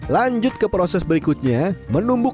lanjut ke proses berikutnya menumbuk